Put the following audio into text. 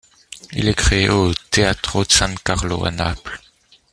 Il est créé le au Teatro San Carlo à Naples.